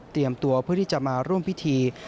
ตัวเพื่อที่จะมาร่วมพิธี